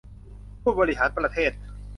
ผู้บริหารประเทศ